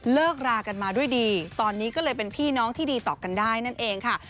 เลิกรากันมาด้วยดีตอนนี้ก็เลยเป็นพี่น้องที่ดีต่อกันได้นั่นเองค่ะ